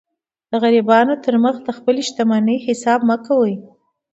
د غریبانو تر مخ د خپلي شتمنۍ حساب مه کوئ!